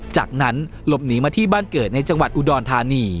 จากนั้นหลบหนีมาที่บ้านเกิดในจังหวัดอุดรธานี